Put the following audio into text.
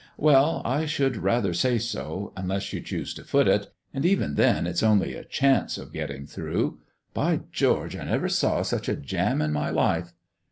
"Well, I should rather say so, unless you choose to foot it; and even then it's only a chance of getting through. By George! I never saw such a jam in my life."